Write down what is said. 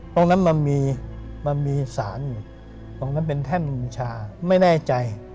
มันมีสารอยู่ตรงนั้นเป็นแท่นบูชาไม่แน่ใจ